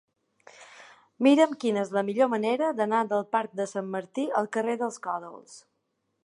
Mira'm quina és la millor manera d'anar del parc de Sant Martí al carrer dels Còdols.